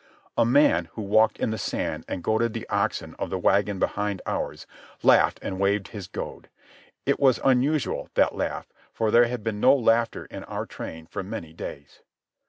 A man, who walked in the sand and goaded the oxen of the wagon behind ours, laughed and waved his goad. It was unusual, that laugh, for there had been no laughter in our train for many days.